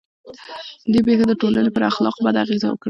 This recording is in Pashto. دې پېښو د ټولنې پر اخلاقو بده اغېزه وکړه.